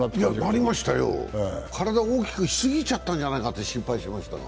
なりましたよ、体大きくしすぎたんじゃないかって心配しちゃいましたが。